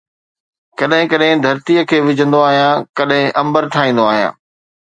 ڪڏھن ڪڏھن ڌرتيءَ کي وجھندو آھيان، ڪڏھن امبر ٺاھيندو آھيان